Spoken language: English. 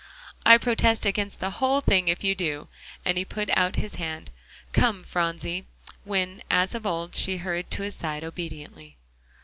"I protest against the whole thing if you do," and he put out his hand. "Come, Phronsie," when, as of old, she hurried to his side obediently.